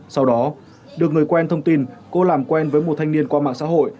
sau đó được người quen thông tin cô làm quen với một thanh niên qua mạng xã hội